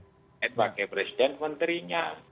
pak yasin pakai presiden menterinya